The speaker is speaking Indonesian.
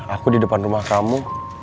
aku di depan rumah kamu